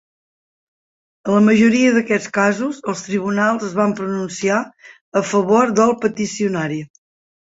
En la majoria d'aquests casos, els tribunals es van pronunciar a favor del peticionari.